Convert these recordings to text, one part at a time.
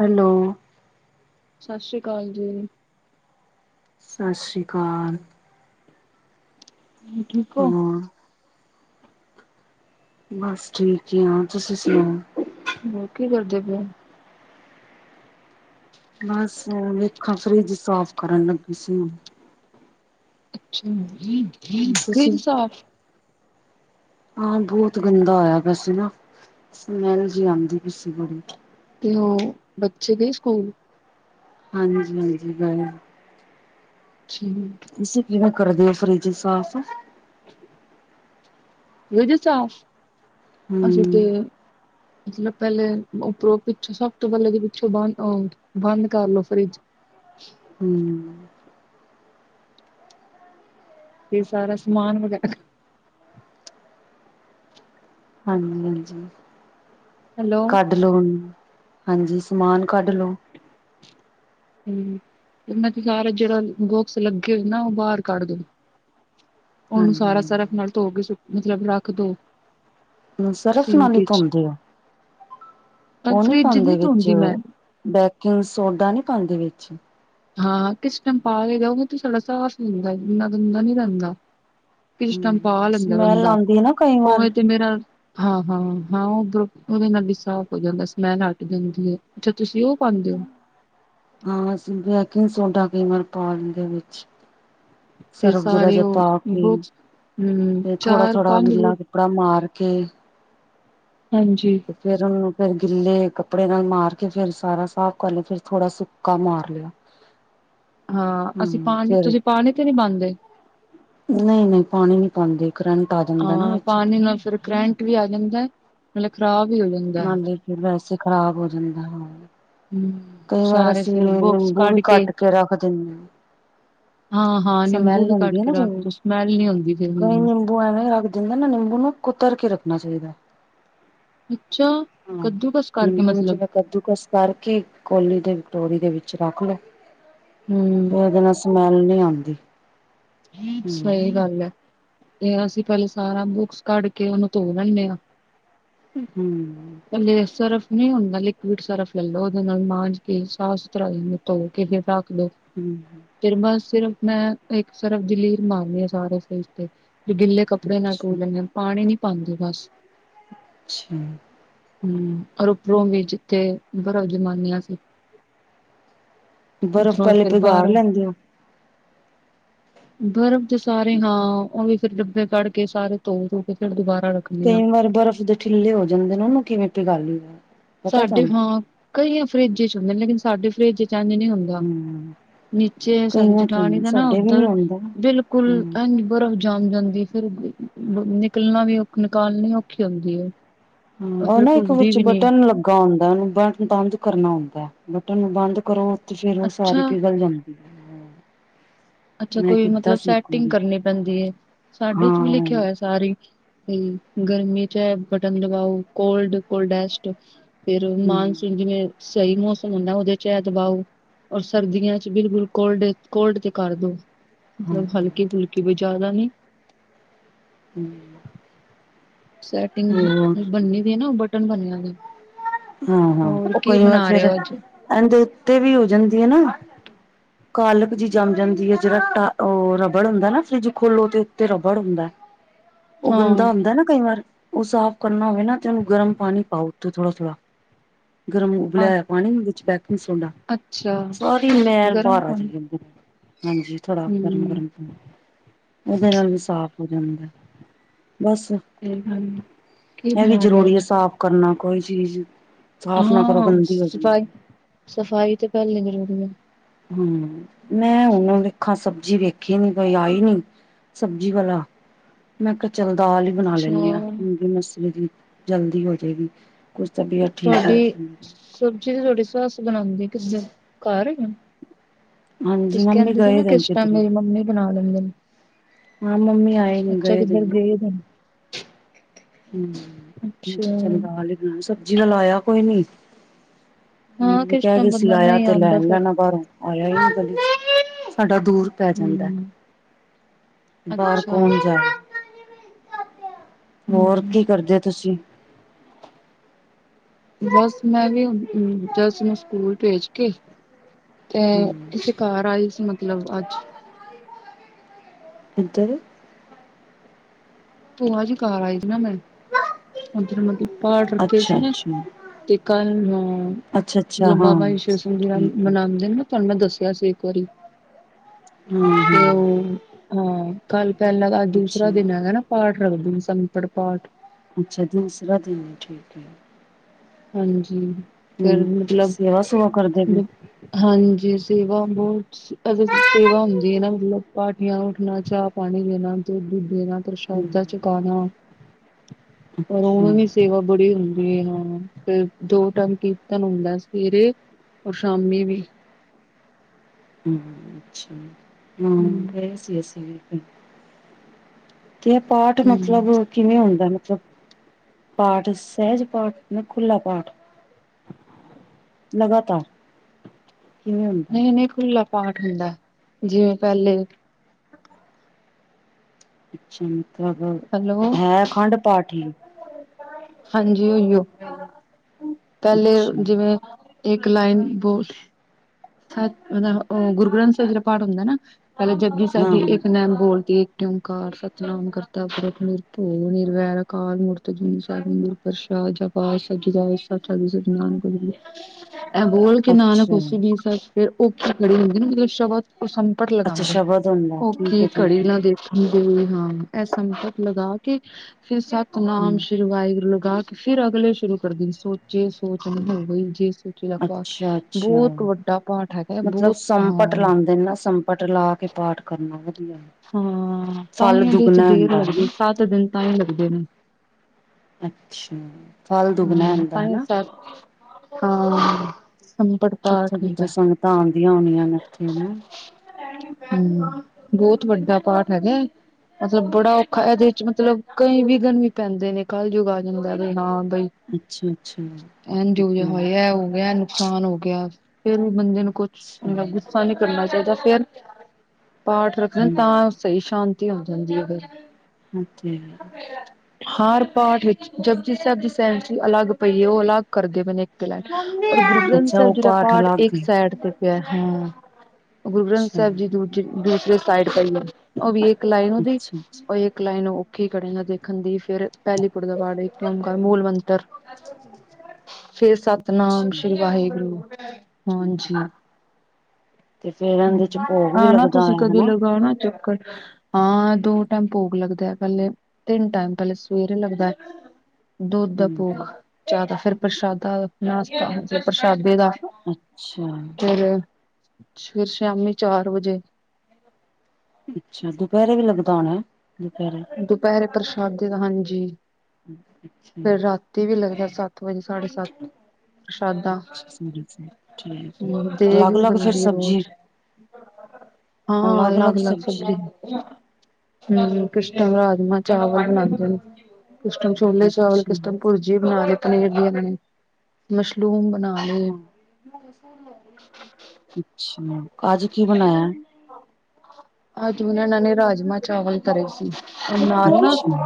Hello ਸਾਸ ਸ੍ਰੀ ਕਾਲ ਜੀ ਸਾਸ ਸ੍ਰੀ਼ ਕਾਲ। [inaudible] ਹੋਰ। ਬਾੱਸ ਠੀਕ ਈ ਆਂ, ਤੁਸੀਂ ਸਨਾਓ? ਹੋਰ ਕੀ ਕਰਦੇ ਪੇਓ? [inaudible] ਬਾੱਸ ਵੇਖਾਂ ਫ੍ਰੀਜ ਸਾਫ ਕਰਨ ਲੱਗੀ ਸੀ। ਅੱਛਾ [unintelligible] ਤੁਸੀ, ਫਰਿਜ ਸਾਫ਼ ਹਾਂ ਬੋਤ ਗੰਦਾ ਹੋਏਆ ਪੇਯਾ ਸੀ ਨਾ ਸਮੈਲ ਜੀ ਆਂਦੀ ਪੀ ਸੀ ਬੜੀ। ਤੇ, ਓ ਬੱਚੇ ਗਏ ਸੁਕੂਲ? ਹਾਂਜੀ-ਹਾਂਜੀ, ਗਏ ਠੀਕ ਤੁਸੀ ਕਿਵੇਂ ਕਰਦੇ ਓ ਫ੍ਰੀਜ ਸਾਫ਼? ਫ੍ਰੀਜ ਸਾਫ, ਅਸੀਂ ਹਮ ਤੇ ਮਤਲਬ ਪੈਲੇ ਉੱਪਰੋਂ ਪਿੱਛੋਂ ਸਾੱਬ ਤੋਂ ਪੈਲੇ ਏਦੇ ਪਿੱਛੋਂ ਓ ਬੰਦ ਓ ਬੰਦ ਕਰਲੋ ਫ੍ਰੀਜ ਹੂੰ। ਤੇ ਸਾਰਾ ਸਮਾਨ ਵਗੈਰਾ ਹਾਂਜੀ-ਹਾਂਜੀ। ਹੈਲੋ [unintelligible] ਹਾਂਜੀ ਸਮਾਨ ਕੱਢ ਲੋ। [inaudible] ਹਮ ਮ [unintelligible] ਜਿਹੜਾ ਬੌਕਸ ਲੱਗੇ ਹੋਏ ਨਾ ਉਹ ਬਾਹਰ ਕੱਢ ਦੋ। ਉਨੂੰ ਹਾਂਜੀ ਸਾਰਾ ਸਰਫ ਨਾਲ ਹਾਂਜੀ ਧੋ ਕੇ ਸ ਮਤਲਬ ਰੱਖ ਦੋ। ਸਰਫ ਨਾਲ ਸਿੰਕ ਹੀ ਵਿੱਚ ਧੋਂਦੇ ਹੋ ਉਹ ਨੀ ਫਰਿੱਜ ਪਾਦੇ ਵਿੱਚ ਧੋਂਦੀ ਮੈਂ ਬੇਕਿੰਗ ਸੋਡਾ ਨੀ ਪਾਦੇ ਵਿੱਚ। ਹਾਂ ਕਿਸ ਟਾਈਮ ਪਾ ਲਈਦਾ ਉਵੇਂ ਤੇ ਸਾਡਾ ਸਾਫ਼ ਹੁੰਦਾ ਇੰਨਾ ਗੰਦਾ ਨੀ ਰਹਿੰਦਾ। ਕਿਸ ਟੈਮ ਪਾ ਹਮ ਲੈਂਦਾ ਸਮੈਲ ਬੰਦਾ ਆਉਂਦੀ ਹੈ ਨਾ ਕਈ ਵਾਰ ਉਵੇਂ ਤੇ ਮੇਰਾ ਹਾਂ-ਹਾਂ, ਹਾਂ ਉਦਰੋ ਉਦੇ ਨਾਲ ਵੀ ਸਾਫ਼ ਹੋ ਜਾਂਦਾ ਸਮੈਲ ਹਟ ਜਾਂਦੀ ਹੈ। ਅੱਛਾ ਤੁਸੀਂ ਉਹ ਪਾਉਂਦੇ ਹੋ ਹਾਂ ਅਸੀਂ ਬੇਕਿੰਗ ਸੋਡਾ ਕਈ ਵਾਰ ਪਾ ਲੈਂਦੇ ਵਿੱਚ। ਤੇ ਸਰਫ਼ ਜੀਰਾ ਸਾਰੇ ਜਾ ਉਹ ਪਾ ਕੇ ਬੁਕਸ ਹਮ ਤੇ ਚਾਰ ਥੋੜਾ-ਥੋੜਾ ਪੰਜ ਗਿੱਲਾ ਗਰੁਪ ਕਪੜਾ ਮਾਰ ਕੇ ਹਾਂਜੀ ਤੇ ਫੇਰ ਉਹਨੂੰ ਫਿਰ ਗਿੱਲੇ ਕੱਪੜੇ ਨਾਲ ਮਾਰ ਕੇ ਫੇਰ ਸਾਰਾ ਸਾਫ਼ ਕਰ ਲਿਆ ਫਿਰ ਥੋੜਾ ਸੁੱਕਾ ਮਾਰ ਲਿਆ। ਹਾਂ ਅਸੀਂ ਹਮ ਪਾਣੀ ਫੇਰ ਤੁਸੀਂ ਪਾਣੀ ਤੇ ਨੀ ਪਾਦੇਂ? ਨਹੀਂ-ਨਹੀਂ ਪਾਣੀ ਨੀ ਪਾਂਦੇ। ਕਰੰਟ ਆ ਜੇ ਹਾਂ ਪਾਣੀ ਨਾਲ ਫਿਰ ਕਰੈਂਟ ਵੀ ਆ ਜਾਂਦਾ ਮਤਲਬ ਖ਼ਰਾਬ ਵੀ ਹੋ ਜਾਂਦਾ। ਨਾਲੇ ਵੈਸੇ ਖ਼ਰਾਬ ਹੋ ਜਾਂਦਾ ਹੈ। ਹਮ ਕਈ ਵਾਰ ਸਾਰੇ ਅਸੀਂ ਫਿਰ ਬੁਕਸ ਨਿੰਬੂ ਵੀ ਕੱਢ ਕੱਟ ਕੇ ਰੱਖ ਦਿੰਦੇ ਹਾਂ-ਹਾਂ ਨਿੰਬੂ ਸਮੈਲ ਵੀ ਕੱਟ ਹੁੰਦੀ ਹੈ ਕੇ ਨਾ ਰੱਖ ਜਿਵੇਂ ਦੋ ਸਮੈਲ ਨੀ ਹੁੰਦੀ ਫੇਰ ਕਈ ਨਿੰਬੂ ਐਵੇਂ ਰੱਖ ਦਿੰਦੇ ਨਾ ਨਿੰਬੂ ਨੂੰ ਕੁਤਰ ਕੇ ਰੱਖਣਾ ਚਾਹੀਦਾ। ਅੱਛਾ ਹਾਂ। ਕੱਦੂਕਸ ਕਰਕੇ ਨਿੰਬੂ ਨੂੰ ਮਤਲਬ। ਜਿਵੇਂ ਕੱਦੂਕਸ ਕਰਕੇ ਕੋਲੀ ਤੇ ਕਟੋਰੀ ਦੇ ਵਿੱਚ ਰੱਖ ਲਓ ਹੂੰ ਫਿਰ ਉਦੇ ਨਾਲ ਸਮੈਲ ਨੀ ਆਦੀ। ਸਹੀ ਗੱਲ ਹੈ ਤੇ ਅਸੀਂ ਪਹਿਲੇ ਸਾਰਾ ਬੁੱਕਸ ਕੱਢ ਕੇ ਉਹਨੂੰ ਧੋ ਲੈਨੇ ਹਾਂ। [unintelligible] ਲੈ ਸਰਫ ਨਹੀਂ ਹੁੰਦਾ ਲਿਕੁੱਡ ਸਰਫ ਲਲੋ ਉਹਦੇ ਨਾਲ ਮਾਂਜ ਕੇ ਸਾਫ਼ ਸੁਥਰਾ ਹੋ ਜਾਂਦਾ। ਧੋ ਕੇ ਫੇਰ ਰੱਖ ਲੋ। ਹੂੰ ਫਿਰ ਬਸ ਸਿਰਫ ਮੈਂ ਇੱਕ ਸਰਫ ਦੀ ਲੀਰ ਮਾਰਨੀ ਏ ਸਾਰੇ ਫ੍ਰਿਜ ਤੇ। ਗਿੱਲੇ ਕੱਪੜੇ ਨਾਲ ਧੋ ਲੈਂਦੇ ਆ ਪਾਣੀ ਨੀ ਪਾਦੀ ਬਸ। [inaudible] ਹੂੰ ਔਰ ਉਪਰੋਂ ਵੀ ਜਿੱਥੇ ਬਰਫ਼ ਜਮਾਨੇ ਆ ਅਸੀ ਬਰਫ਼ ਇਧਰੋਂ ਪਹਿਲੇ ਫਿਰ ਪਿਘਾਰ ਬਾਰੋਂ ਲੈਂਦੇ ਹੋ। ਬਰਫ਼ ਦੇ ਸਾਰੇ ਹਾਂ, ਉਹ ਵੀ ਫਿਰ ਡੱਬੇ ਕੱਢ ਕੇ, ਸਾਰੇ ਧੋ ਧੂ ਕੇ ਫਿਰ ਦੁਬਾਰਾ ਰਖ ਕਈ ਵਾਰ ਬਰਫ਼ ਦੇ ਠਿੱਲੇ ਹੋ ਜਾਂਦੇ ਨੇ ਨਾ ਉਨੂੰ ਕਿਵੇਂ ਪਿਗਾਲੀ ਦਾ? ਪਤਾ ਸਾਡੇ ਤੁਹਾਨੂੰ ਹਾਂ ਕਈਆਂ ਫਰਿੱਜ ਚ ਹੁੰਦੇ ਨੇ ਲੇਕਿਨ ਸਾਡੇ ਫਰਿੱਜ ਚ ਇੰਜ ਨੀ ਹੁੰਦਾ। ਹੂੰ ਨੀਚੇ ਸਾਡੀ ਕਈਆਂ ਚ ਜਠਾਣੀ ਦਾ ਨਾ ਸਾਡੇ ਵੀ ਨੀ ਉੱਧਰ ਆਉਂਦਾ ਬਿਲਕੁਲ ਹੂੰ। ਇੰਜ ਬਰਫ ਜਮ ਜਾਂਦੀ ਫਿਰ ਨਿਕਲਣਾ ਵੀ ਔਖ ਨਿਕਾਲਣੀ ਔਖੀ ਹੁੰਦੀ ਏ। ਹਾਂ, ਉਹ ਨਾ ਇੱਕ ਵਿੱਚ ਬਟਨ ਲੱ ਲਗਾ ਹੁੰਦਾ ਉਹਨੂੰ ਬਟਨ ਬੰਦ ਕਰਨਾ ਹੁੰਦਾ ਬਟਨ ਉਹਨੂੰ ਬੰਦ ਕਰੋ ਤੇ ਫੇਰ ਉਹ ਸਾਰੀ ਅੱਛਾ ਪਿਘਲ ਜਾਂ [inaudible] ਅੱਛਾ ਕੋਈ ਮਤਲਬ ਸੈਟਿੰਗ ਕਰਨੀ ਪੈਂਦੀ ਏ ਸਾਡੇ ਚ ਹਾਂ ਵੀ ਲਿਖਿਆ ਹੂੰ। ਹੋਇਆ ਸਾਰੀ। ਗਰਮੀ ਚ ਏ ਬਟਨ ਦਬਾਓ ਕੋਲਡ, ਕੋਲਡੇਸਟ ਫੇਰ ਮਾਨ ਸਿੰਘ ਜਿਵੇਂ ਸਈ ਮੌਸਮ ਹੁੰਦਾ ਓਦੇ ਚ ਏ ਦਬਾਓ ਔਰ ਸਰਦੀਆਂ ਚ ਬਿਲਕੁਲ ਕੋਲਡ-ਕੋਲਡ ਤੇ ਕਰਦੋ, ਮਤਲਬ ਹਾਂ ਹਲਕੀ-ਫੁਲਕੀ ਵੀ ਜ਼ਿਆਦਾ ਨੀ। ਹੂੰ। ਸੈਟਿੰਗ ਬੰਨੀ ਵੀ ਏ ਨਾ, ਬਟਨ ਬਣਿਆ ਦਾ। ਹਾਂ-ਹਾਂ, ਹੋਰ ਓ ਕੀ ਕਈ ਵਾਰ ਬਣਾ ਰਹੇ ਫੇਰ ਹੋ ਅੱਜ ਏਂਦੈ ਉੱਤੇ ਵੀ ਹੋ ਜਾਂਦੀ ਏ ਨਾ। ਕਾਲਕ ਜੀ ਜੰਮ ਜਾਂਦੀ ਏ, ਜੇੜਾ ਓ ਰਬੜ ਹੁੰਦਾ ਨਾ ਫਰਿਜ ਖੋਲੋ ਤੇ ਉੱਤੇ ਰਬੜ ਹੁੰਦਾ ਹੈ। [unintelligible] ਓ ਗੰਦਾ ਹੁੰਦਾ ਨਾ ਕਈ ਵਾਰ ਸਾਫ਼ ਕਰਨਾ ਹੋਵੇ ਨਾ ਤੇ ਉਹਨੂੰ ਗਰਮ ਪਾਣੀ ਪਾਓ ਉਤੋਂ ਥੋੜਾ-ਥੋੜ੍ਹਾ। ਗਰਮ ਉਬਲਿਆ ਅ ਹੋਇਆ ਪਾਣੀ ਵਿੱਚ ਬੈਕਿੰਗ ਸੋਡਾ ਅੱਛਾ ਸਾਰੀ ਮੈਲ ਗਰਮ ਬਾਹਰ ਪਾਣੀ ਆਜੇਗੀ। ਹਾਂਜੀ, ਥੋੜਾ ਹਮ ਗਰਮ-ਗਰਮ। ਓਦੇ ਨਾਲ ਵੀ ਸਾਫ਼ ਹੋ ਜਾਂਦਾ, ਬਸ ਹੂੰ-ਹੂੰ ਕੀ ਇਹ ਵੀ ਬਣਾ ਰਏ ਜ਼ਰੂਰੀ ਹੈ ਅੱਜ? ਸਾਫ਼ ਕਰਨਾ ਕੋਈ ਚੀਜ਼ ਸਾਫ਼ ਨਾ ਕਰੋ ਹਾਂ, ਗੰਦੀ ਹੋ ਜਾਂਦੀ ਸਫ਼ਾਈ-ਸਫ਼ਾਈ ਤੇ ਪੈਹਲੇ ਜ਼ਰੂਰੀ ਏ। ਹਾ, ਮੈਂਨੂੰ ਹੁਣ ਵੇਖਾਂ ਸਬਜ਼ੀ ਵੇਖੀ ਨੀ ਕੋਈ ਆਈ ਨੀ। ਸਬਜ਼ੀ ਵਾਲਾ ਮੈਂ ਕੇਹਾ ਚਲ ਦਾਲ ਹੀ ਬਣਾ ਲੈਣੀ ਅੱਛਾ ਆ, ਮੂੰਗੀ ਮੁਸਰੀ ਦੀ ਜਲਦੀ ਹੋਜੈਗੀ। ਕੁਛ ਤਬੀਅਤ ਠੀਕ ਨਹੀਂ ਤੁਆਡੀ ਸੀ ਮੇਰੀ। ਸਬਜ਼ੀ ਤੇ ਤੁਆਡੀ ਸੱਸ ਬਣਾਦੀ, ਕਿਦਰ ਘਰ ਹੈਗੇ ਓ? ਹਾਂਜੀ ਤੁਸੀਂ ਮੰਮੀ ਕੈਂਦੇ ਸੀ ਗਏ ਨਾ ਦਿਨ ਕਿਸ ਟੈਮ ਕਿੱਧਰੇ ਮੇਰੀ ਮੰਮੀ ਬਣਾ ਲੈਂਦੇ ਨੇ। ਹਾਂ ਮੰਮੀ ਆਏ। ਅੱਛਾ ਗਏ ਕਿੱਧਰ ਦਿਨ ਗਏ ਦੇ ਨੇ ਹੂੰ ਅੱਛਾ ਚੰਗਾਲ ਸਬਜੀ ਵਾਲਾ ਆਇਆ ਕੋਈ ਨੀ। ਹੂੰ ਹਾਂ ਵੀ ਕਿਸ ਕਹਿਗੇ ਟਾਈਮ ਸੀ ਬੰਦਾ ਆਇਆ ਨਹੀਂ ਤੇ ਲੈ ਆਉਂਦਾ ਫਿਰ ਲੈਣਾ ਬਾਹਰੋਂ। ਆਇਆ ਈ ਨੀ‌ ਕੋਈ ਸਾਡਾ ਦੂਰ ਪੈ ਜਾਂਦਾ। ਹਮ ਬਾਹਰ ਅੱਛਾ ਕੌਣ ਜਾਵੇ? ਹੋਰ ਹੂੰ, ਕੀ ਕਰਦੇ ਓ ਤੁਸੀਂ? ਬਸ ਮੈਂ ਵੀ ਜੱਸ ਨੂੰ ਸਕੂਲ ਭੇਜ ਕੇ ਤੇ ਹੂੰ ਕਿਸੇ ਘਰ ਆਈ ਸੀ ਮਤਲਬ ਅੱਜ ਕਿੱਦਰ? ਭੂਆ ਜੀ ਘਰ ਆਏ ਸੀ ਨਾ ਮੈਂ ਉੱਧਰ ਮਤਲਬ ਪਾਠ ਰੱਖੇ ਸੀ ਅੱਛਾ ਨਾ। ਅੱਛਾ ਤੇ ਕੱਲ੍ਹ ਨੂੰ ਅੱਛਾ ਅੱਛਾ ਮਤਲਬ ਹਾਂ ਬਾਬਾ ਸਿ਼ਵ ਸਿੰਘ ਜੀਰਾ ਠੀਕ ਹੈ ਮਨਾਂਦੇ ਨਾ। ਤੁਆਨੂੰ ਮੈਂ ਦੱਸਿਆ ਸੀ ਇੱਕ ਵਾਰੀ ਹੂੰ ਤੇ ਉਹ ਹੂੰ ਹਾਂ, ਕੱਲ ਪਹਿਲਾਂ ਤਾਂ ਅੱਜ ਅੱਛਾ ਦੂਸਰਾ ਦਿਨ ਹੈਗਾ ਨਾ ਪਾਠ ਰੱਖਦੇ ਸੰਪੜ ਪਾਠ। ਅੱਛਾ, ਦੂਸਰਾ ਦਿਨ ਹੈ ਠੀਕ ਹੈ। ਹਾਂਜੀ, ਫਿਰ ਹੂੰ ਮਤਲਬ ਸੇਵਾ ਸੁਵਾ ਕਰਦੇ ਪਏ ਹਾਂਜੀ, ਸੇਵਾ ਬਹੁਤ ਅਗਰ ਸੇਵਾ ਹੁੰਦੀ ਐ ਨਾ ਮਤਲਬ ਪਾਰਟੀਆਂ ਉੱਠਣਾ ਚਾਹ ਪਾਣੀ ਦੇਣਾ ਦੁੱਧ-ਦੁੱਧ ਦੇਣਾ। ਹੂੰ ਪ੍ਰਸ਼ਾਦਾਂ ਛਕਾਣਾ ਪਰ ਉਵੇ ਅੱਛਾ ਵੀ ਸੇਵਾ ਬੜੀ ਹੁੰਦੀ ਹਾਂ। ਤੇ ਦੋ ਟੈਮ ਕੀਰਤਨ ਹੁੰਦਾ ਸਵੇਰੇ ਔਰ ਸ਼ਾਮੀ ਵੀ। ਹੂੰ, ਅੱਛਾ ਹੂੰ ਹਮ ਗਏ ਸੀ ਅਸੀ ਵੀ ਤੇ ਏ ਪਾਠ ਹਮ ਮਤਲਬ ਕਿਵੇਂ ਹੁੰਦਾ ਮਤਲਬ ਪਾਠ ਸਹਿਜ-ਪਾਠ ਖੁੱਲਾ ਪਾਠ ਲਗਾਤਾਰ। ਕਿਵੇਂ ਹੁੰਦਾ? ਨਹੀਂ -ਨਹੀਂ ਖੁੱਲਾ ਪਾਠ ਹੁੰਦਾ, ਜਿਵੇਂ ਪਹਿਲੇ ਚਤ ਬ [inaudible] ਹੈਲੋ, ਹਾਂਜੀ ਓ ਪਹਿਲੇ ਅੱਛਾ। ਜਿਵੇਂ, ਇੱਕ ਲਾਈਨ ਬੋਲ ਉਹ ਗੁਰੂ ਗ੍ਰੰਥ ਸਾਹਿਬ ਜੀ, ਦਾ ਪਾਠ ਹੁੰਦਾ ਨਾ, ਪਹਿਲਾਂ ਜਪੁਜੀ ਸਾਹਿਬ ਹਾਂ ਦੀ ਹਾਂ ਇੱਕ ਨ ਬੋਲਦੀ ਏਕਮਕਾਰ ਸਤਨਾਮ ਕਰਤਾ ਪੁਰਖ ਨਿਰਭਉ ਨਿਰਵੈਰ ਅਕਾਲ ਮੂਰਤਿ ਅਜੂਨੀ ਸਾਹਿਬ ਗੁਰ ਪ੍ਰਸਾਦ ਜਪ ਆਦਿ ਸਚ ਜੁਗਾਦਿ ਸਚ ਹੈਭੀ ਸਚ ਨਾਨਕ ਹੋਸੀ ਭਿ ਇਹ ਬੋਲ ਕੇ ਨਾਨਕ ਅੱਛਾ ਹੋਸੀ ਭਿ, ਸਚ ਫਿਰ ਅਉਖੀ ਘੜੀ ਦੇ ਹੋਣ ਗੇ ਸ਼ਬਦ ਕੁਝ ਸਨ ਪਰ ਅੱਛਾ ਲਗਾਵੇ, ਸ਼ਬਦ ਹੁੰਦਾ ਠੀਕ ਅਉਖੀ ਹੈ ਠੀਕ ਕੜੀ ਹੈ। ਨਾ ਦੇਖਣ ਜੀ ਹਾਂ, ਇਹ ਸੰਪਟ ਲਗਾ ਕੇ, ਫਿਰ ਸਤਨਾਮ ਹੂੰ ਸ਼ ਵਾਹਿਗੁਰੂ ਲਗਾ ਕੇ ਫਿਰ ਅਗਲੇ ਸ਼ੁਰੂ ਕਰਦੀ ਸੀ, ਸੋਚੇ ਸੋਚ ਨ ਹੋਵੀ ਈ ਜੇ ਸੋਚੀ ਜਪੁਜੀ ਅੱਛਾ ਦਾ ਅੱਛਾ। ਬਹੁਤ ਵੱਡਾ ਪਾਠ ਹੈਗਾ, ਬਹੁਤ ਹਾਂ ਦੇ ਨਾ ਸੰਪਟ ਲਾ ਕੇ, ਪਾਠ ਕਰਨਾ ਵਧੀਆ ਹਾਂ ਫਲ ਤਾਂਹੀਓ, ਇਹਦੇ ਚ ਦੁੱਗਣਾ ਦੇਰ ਹੁੰਦਾ ਲੱਗਦੀ, ਹਨਾ। ਸੱਤ ਦਿਨ ਤਾਂ ਹੀ ਲੱਗਦੇ ਨੇ ਅੱਛਾ, ਫਲ ਦੁੱਗਣਾ ਹਮ ਹੁੰਦਾ ਤਾਂ ਹੀ ਹਨਾ ਸੱਤ ਹਾਂ ਸੰਪਟ ਪਾਠ ਕਿੱਥੋਂ ਹੁੰਦਾ -ਕਿਥੇ ਸੰਗਤਾਂ ਆਉਂਦੀਆਂ ਹੋਣੀਆਂ ਨੇ ਇੱਥੇ ਹਨਾ ਹਮ, ਬਹੁਤ ਵੱਡਾ ਪਾਠ ਹੈਗਾ ਮਤਲਬ ਬੜਾ ਔਖਾ, ਏਦੇ ਵਿੱਚ ਮੱਤਲਬ ਕਈ ਵਿਘਣ ਵੀ ਪੈਂਦੇ ਨੇ, ਕੱਲਯੁਗ ਆ ਜਾਂਦਾ ਵੀ ਹਾਂ ਬਈ ਅੱਛਾ-ਅੱਛਾ। ਇਝ ਇੱਕ ਹੁਣੇ ਮਿੰਟ ਹੋਇਆ ਉਹ ਵਈ ਐ ਨੁਕਸਾਨ ਹੋ ਗਿਆ, ਫੇਰ ਵੀ ਬੰਦੇ ਨੂੰ ਕੁਛ ਅੱਛਾ ਮਤਲਵ ਹੂੰ ਗੁੱਸਾ ਨ ਕਰਨਾ ਚਾਹੀਦਾ ਫਿਰ, ਪਾਠ ਰੱਖਣਾ ਤਾਂ ਸਹੀ ਸ਼ਾਂਤੀ ਹੋ ਜਾਂਦੀ ਹੈ ਫ ਅੱਛਾ। ਹਰ ਪਾਠ ਵਿੱਚ ਜਪੁਜੀ ਸਾਹਿਬ ਦੀ ਸੇਚੀ, ਅਲੱਗ ਪਈਏ, ਉਹ ਅਲੱਗ ਕਰਦੇ ਪਏ ਨੇ ਤੇ ਲੇ ਗੁਰੂ ਗ੍ਰੰਥ ਅੱਛਾ ਸਾਹਿਬ ਓ ਜੀ ਦਾ ਪਾਠ, ਅਲੱਗ ਇੱਕ ਏ ਸਾਈਡ ਤੇ ਪਿਆ ਹਾਂ ਗੁਰੂ ਗ੍ਰੰਥ ਅੱਛਾ, ਸਾਹਿਬ ਜੀ ਦੀ ਦੂਜੀ ਬੀੜ ਉਹ ਵੀ ਇੱਕ ਲਾਈਨ ਉਹਦੀ, ਅੱਛਾ-ਅੱਛਾ, ਉਹ ਇੱਕ ਲਾਈਨ ਔਖੀ ਕੜੀ ਦੇਖਣ ਦੀ ਫੇਰ ਪਹਿਲੀ ਪੌੜੀ ਦਾ ਪਾਠ, ਇੱਕ ਓਂਕਾਰ ਮੂਲ ਮੰਤਰ ਫਿਰ, ਸਤਨਾਮ ਅੱਛਾ। ਸ਼੍ਰੀ ਵਾਹਿਗੁਰੂ, ਹਾਂਜੀ। ਠੀਕ ਏ ਤੇ ਫੇਰ ਏਂਦੇ ਚ ਭੋਗ ਵੀ ਆਣਾ ਲੱਗਦਾ ਤੁਸੀਂ, ਹੋਇਆ ਕਦੇ ਹਨਾ ਲਗਾਓਨਾ ਨਾ ਚੱਕਰ ਹਾਂ, ਦੋ ਟਾਈਮ ਭੋਗ ਲੱਗਦਾ, ਆ ਪਹਿਲੇ ਤਿੰਨ ਟਾਈਮ ਪਹਿਲੇ, ਸਵੇਰੇ ਲੱਗਦਾ ਦੁੱਧ ਦਾ ਹੂੰ। ਭੋਗ ਚਾਹ ਦਾ, ਫਿਰ ਪ੍ਰਸ਼ਾਦਾ ਨਾਸ਼ਤਾ ਫਿਰ ਪ੍ਰਸ਼ਾਦੇ ਦਾ, ਅੱਛਾ, ਫੇਰ-ਫੇਰ ਸ਼ਾਮੀ ਚਾਰ ਵਜੇ ਅੱਛਾ, ਦੁਪਹਿਰੇ ਵੀ ਲੱਗਦਾ ਹੋਣਾ ਦੁਪਹਿਰੇ ਫੇਰ ਦੁਪਹਿਰੇ ਪ੍ਰਸ਼ਾਦੇ ਦਾ ਹਾਂਜੀ, ਅੱਛਾ। ਫੇਰ ਰਾਤੀ ਵੀ ਲੱਗਦਾ ਸ ਸੱਤ ਵਜੇ, ਸਾਢੇ ਸੱਤ ਪ੍ਰਸ਼ਾਦਾ, ਅੱਛਾ ਸਾਢੇ ਸੱਤ ਠੀਕ ਏ। ਹਮ ਦੇਗ ਵੀ ਅਲੱਗ-ਅਲੱਗ ਫੇਰ ਬਣੇਗੀ ਸਬਜ਼ੀ, ਰੋਜ਼ ਹਾਂ, ਅਲੱਗ- ਅਲੱਗ ਸਬਜ਼ੀ ਹਮ ਕਿਸੇ ਟਾਈਮ, ਰਾਜ ਮਾਹ ਚਾਵਲ ਲਗਦੇ ਨੇ, ਕਿਸ ਟੈਮ ਛੋਲੇ ਚਾਵਲ, ਕਿਸ ਟੈਮ ਅੱਛਾ। ਭੁਰਜੀ ਬਣਾ ਲਈ, ਪਨੀਰ ਦੀ ਨੇ ਮਸ਼ਰੂਮ ਬਣਾ ਲਏ ਅੱਛਾ, ਅੱਜ ਕੀ ਬਣਾਇਆ? ਅਜ ਇਹਨਾਂ ਨੇ, ਰਾਜਮ ਚਾਵਲ ਧਰੇ ਸੀ, ਨਾਲ ਨਾ ਅੱਛਾ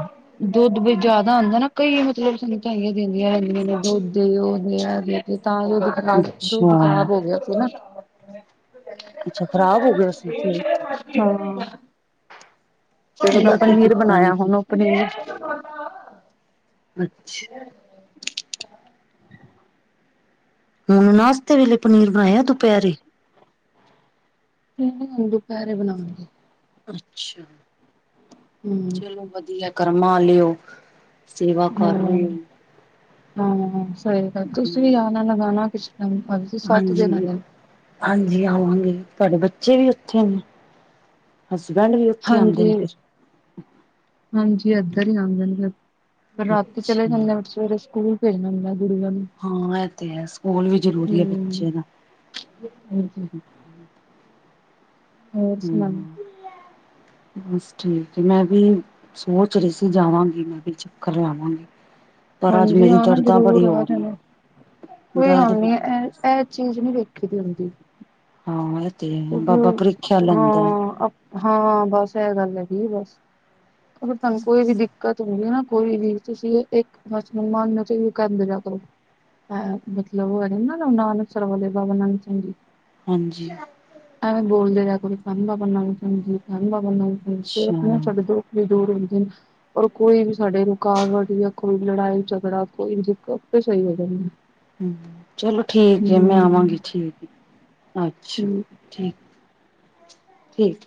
ਦੁੱਧ ਵੀ ਜ਼ਿਆਦਾ ਹੁੰਦਾ ਨਾ, ਕਈ ਮਤਲਬ ਸੰਗਤਾਂ ਦਿੰਦੀਆਂ ਰਹਿੰਦੀਆਂ ਨੇ, ਦੁੱਧ ਦੇ ਉਹ ਦੇ ਆ ਦੇ ਤੇ ਤਾਂ ਦੁੱਧ ਖਰਾਬ ਦੁੱਧ ਅੱਛਾ ਖ਼ਰਾਬ ਹੋ ਗਿਆ ਸੀ ਨਾ। ਅੱਛਾ ਖ਼ਰਾਬ ਹੋ ਗਿਆ ਸੀ ਫਿਰ [unintelligible] ਫਿਰ ਉਹਦਾ ਕੀ ਪਨੀਰ ਕੀਤਾ ਨੀ ਬਣਾਇਆ, ਫਿਰ ਹੁਣ ਉਹ ਪਨੀਰ ਅੱਛਾ। [inaudible] ਹੁਣ ਨਾਸਤੇ ਵੇਲੇ ਪਨੀਰ ਬਣਾਇਆ ਦੁਪੇਰੇ। ਨਈ ਹੁਣ ਦੁਪੇਰੇ ਬਣਾਵਾਗੀ। ਅੱਛਾ। ਹੂੰ। ਚਲੋ ਵਧੀਆ ਕਰਮਾਂ ਆਲੇ ਓ। ਸੇਵਾ ਕਰ ਹਮ ਰਹੇ ਹਾਂ ਸਹੀ ਗੱਲ ਹੋ ਤੁਸੀਂ ਵੀ ਆਣਾ ਲਗਾਣਾ ਕਿਸ ਟੇਮ ਹਾਂਜੀ। ਹਾਂਜੀ ਆਵਾਂਗੇ ਤੁਹਾਡੇ ਬੱਚੇ ਵੀ ਉੱਥੇ ਨੇ, ਹਸਬੈਂਡ ਵੀ ਉੱਥੇ ਆਉਂਦੇ ਹਾਂਜੀ, ਨੇ ਹਾਂਜੀ ਇੱਧਰ ਹੀ ਆਦੇ ਨੇ ਫਿਰ ਰਾਤੀ ਚਲੇ ਜਾਂਦੇ ਸਵੇਰੇ ਸਕੂਲ ਭੇਜਣਾ ਹੁੰਦਾ ਗੁਡੀਆ ਨੂੰ ਹਾਂ ਇਹ ਤੇ ਹੈ ਸਕੂਲ ਵੀ ਜ਼ਰੂਰੀ ਐ ਹੂੰ ਬੱਚੇ ਦਾ। ਹਾਂਜੀ। ਹੋਰ ਸੁਣਾਓ ਹੂੰ ਬਸ ਠੀਕ ਮੈਂ ਵੀ ਸੋਚ ਰਹੀ ਸੀ ਜਾਵਾਂਗੇ। ਮੈਂ ਵੀ ਚੱਕਰ ਲਾਵਾਂਗੀ। ਪਰ ਅੱਜ ਹਾਂਜੀ ਮੇਰੀ ਆਨਾ ਦਰਦਾਂ ਜ਼ਰੂਰ, ਬੜੀ ਆ ਹੋ ਜਾਣਾ। ਰਹੀਆਂ ਕੋਈ ਦਰਦ ਗੱਲ ਨੀ ਬੜੀ ਹੋ ਏ ਰਹੀ ਸੀ। ਏਹ ਚੀਜ਼ ਨੀ ਵੇਖੀ ਦੀ ਹੁੰਦੀ। ਹਾਂ ਇਹ ਤੇ ਏ ਬਾਬਾ ਪ੍ਰੀਖਿਆ ਕਿਉਂਕਿ ਲੈਂਦਾ। ਹਾਂ ਹਾਂ ਬਸ ਏਹ ਗੱਲ ਹੈਗੀ ਏ ਬਸ ਫਿਰ ਤੁਹਾਨੂੰ ਕੋਈ ਵੀ ਦਿੱ ਦਿੱਕਤ ਹੋ ਨਾ ਕੋਈ ਵੀ ਤੁਸੀਂ ਇੱਕ ਬਸ ਮਨ ਚ ਵੀ ਕਰਦੇ ਰਿਹਾ ਕਰੋ। ਮਤਲਬ ਉਹ ਹੈਗੇ ਨਾ ਨਾਨਕਸਾਰ ਵਾਲੇ ਬਾਬਾ ਨਾਨਕ ਸਿੰਘ ਜੀ। ਹਾਂਜੀ। ਐਵੇਂ ਬੋਲਦੇ ਰਿਹਾ ਕਰੋ ਧੰਨ ਬਾਬਾ ਨੰਦ ਸਿੰਘ ਜੀ, ਧੰਨ ਬਾਬਾ ਨੰਦ ਸਿੰਘ ਜੀ ਫਿਰ ਅੱਛਾ ਆਪ ਨਾ ਛੱਡ ਹੂੰ ਦੋ ਵੀ ਦੂਰ ਹੁੰਦੇ ਨੇ। ਔਰ ਕੋਈ ਵੀ ਸਾਡੇ ਰੁਕਾਵਟ ਜਾਂ ਕੋਈ ਲੜਾਈ-ਝਗੜਾ, ਕੋਈੇ ਦਿੱਕਤ ਆਪੇ ਹੀ ਹੋ ਜਾਂਦੀ। ਹੂੰ ਚਲੋ ਠੀਕ ਏ, ਹੂੰ, ਮੈਂ ਆਵਾਂਗੀ ਠੀਕ ਏ ਅੱਛਾ। ਹੂੰ ਠੀਕ, ਠੀਕ।